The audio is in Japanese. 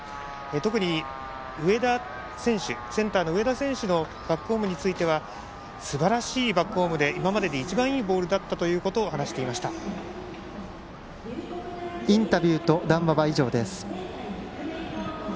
特にセンターの上田選手のバックホームについてはすばらしいバックホームで今までで一番いいボールだったとインタビューと談話は以上です。